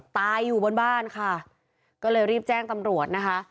ตายอยู่บนบ้านค่ะก็เลยรีบแจ้งตำรวจนะคะ